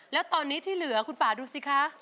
แล้วตอนนี้ที่เหลือคุณป่าดูสิคะ